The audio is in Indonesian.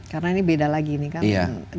karena ini beda lagi nih kan